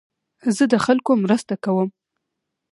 زه د خلکو مرسته کوم.